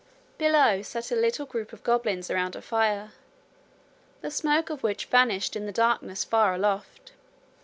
Below sat a little group of goblins around a fire, the smoke of which vanished in the darkness far aloft.